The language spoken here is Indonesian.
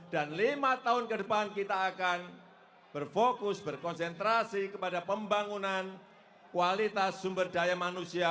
dan lima tahun ke depan kita akan berfokus berkonsentrasi kepada pembangunan kualitas sumber daya manusia